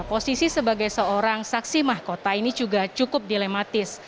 posisi sebagai seorang saksi mahkota ini juga cukup dilematis